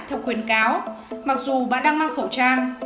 theo khuyến cáo mặc dù bà đang mang khẩu trang